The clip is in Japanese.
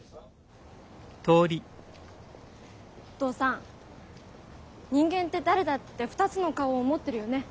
お父さん人間って誰だって２つの顔を持ってるよね。